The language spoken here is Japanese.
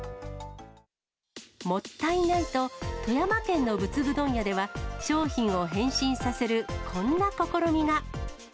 もったいないと、富山県の仏具問屋では、商品を変身させるこんな試みが。